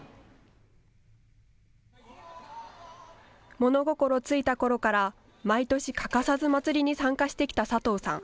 物心ついたころから、毎年、欠かさずまつりに参加してきた佐藤さん。